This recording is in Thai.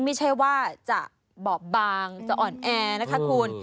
ไม่ใช่ว่าจะบอบบางจะอ่อนแอนะคะคุณ